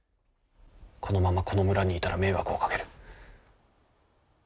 このままこの村にいたら迷惑をかける。